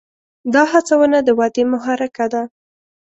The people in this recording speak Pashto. دا هڅونه د ودې محرکه ده.